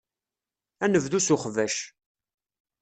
Ad nebdu s uxbac.